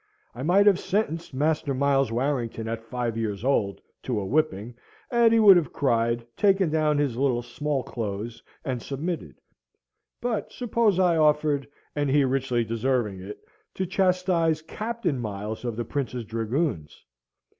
I might have sentenced Master Miles Warrington, at five years old, to a whipping, and he would have cried, taken down his little small clothes and submitted: but suppose I offered (and he richly deserving it) to chastise Captain Miles of the Prince's Dragoons?